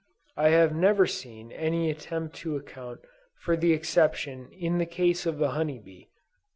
I have never seen any attempt to account for the exception in the case of the honey bee.